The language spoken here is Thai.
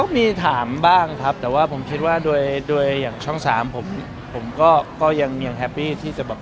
มันก็ยังทำยังมีอยู่ครับ